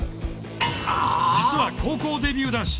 実は高校デビュー男子。